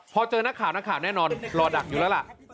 พอเจอนักข่าวนักข่าวแน่นอนรอดักอยู่แล้วล่ะ